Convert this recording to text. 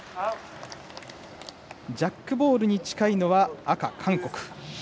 ジャックボールに近いのは赤の韓国。